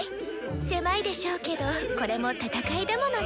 狭いでしょうけどこれも戦いだものね。